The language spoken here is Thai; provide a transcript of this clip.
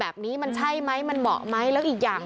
เป็นพระรูปนี้เหมือนเคี้ยวเหมือนกำลังทำปากขมิบท่องกระถาอะไรสักอย่าง